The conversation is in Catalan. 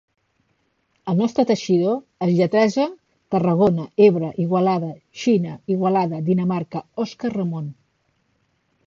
El nostre 'Teixidor' es lletreja Tarragona-Ebre-Igualada-Xina-Igualada-Dinamarca-Òscar-Ramon.